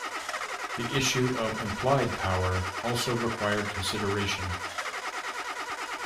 The issue of implied power also required consideration.